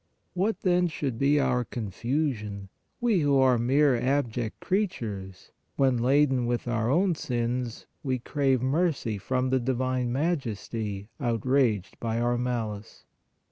What, then, should be our confusion, we who are mere abject creatures, when, laden with our own sins, we crave mercy from the divine Majesty outraged by our malice